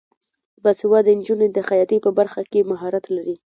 باسواده نجونې د خیاطۍ په برخه کې مهارت لري.